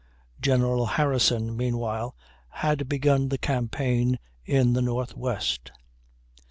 General Harrison, meanwhile, had begun the campaign in the Northwest.